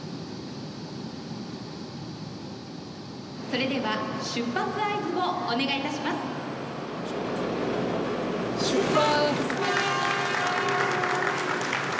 「それでは出発合図をお願いいたします」出発！